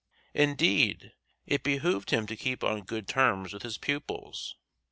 Indeed it behooved him to keep on good terms with his pupils.